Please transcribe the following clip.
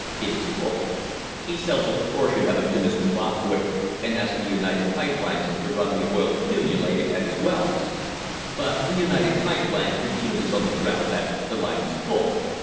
It is full. He sells a portion of it to Mr. Bostwick and asks the United Pipe Lines to run the oil accumulated at his wells. But the United Pipe Lines refuses on the ground that the line is full.